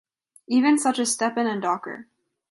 Even such as Stepan and Docker.